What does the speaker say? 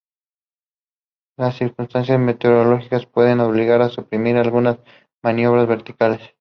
Las circunstancias meteorológicas pueden obligar a suprimir algunas maniobras verticales.